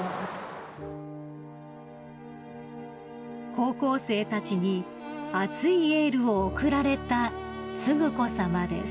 ［高校生たちに熱いエールを送られた承子さまです］